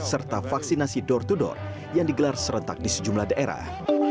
serta vaksinasi door to door yang digelar serentak di sejumlah daerah